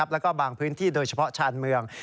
แล้วก็บางพื้นที่โดยเฉพาะชานเมือง